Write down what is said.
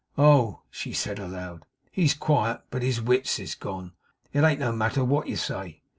'Oh!' she said aloud, 'he's quiet, but his wits is gone. It an't no matter wot you say.